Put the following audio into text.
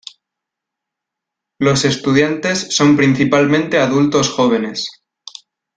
Los estudiantes son principalmente adultos jóvenes.